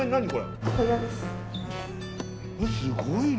すごい量。